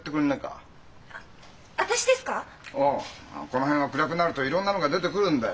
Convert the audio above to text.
この辺は暗くなるといろんなのが出てくるんだよ。